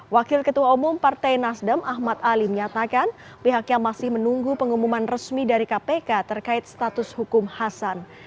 wakil ketua umum partai nasdem ahmad ali menyatakan pihaknya masih menunggu pengumuman resmi dari kpk terkait status hukum hasan